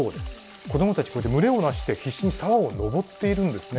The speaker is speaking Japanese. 子供たちこうやって群れを成して必死に沢を登っているんですね。